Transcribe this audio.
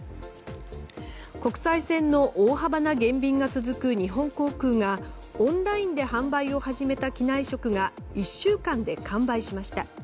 国際線の大幅な減便が続く日本航空がオンラインで販売を始めた機内食が１週間で完売しました。